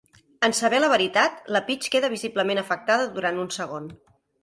En saber la veritat, la Peach queda visiblement afectada durant un segon.